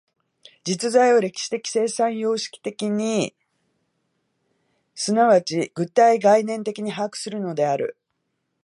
実在を歴史的生産様式的に即ち具体概念的に把握するのである。